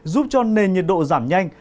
giúp cho nền nhiệt độ giảm nhanh